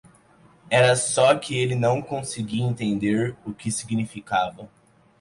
Era só que ele não conseguia entender o que significava.